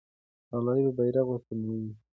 ملالۍ به بیرغ ورته نیوه.